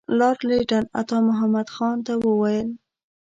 لارډ لیټن عطامحمد خان ته وویل.